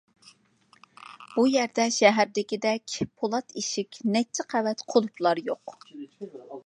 بۇ يەردە شەھەردىكىدەك بۇلات ئىشىك، نەچچە قەۋەت قۇلۇپلار يوق.